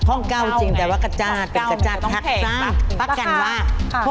คร่องเก้าจริงแต่ว่ากระจ้าเกิดจะจากทักซ้ำ